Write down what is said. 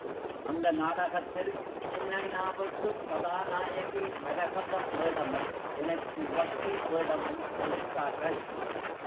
அந்த நாடகத்தில் சின்னண்ணாவுக்குக் கதாநாயகி மரகதம் வேடமும், எனக்கு வக்கீல் வேடமும் கொடுத்தார்கள்.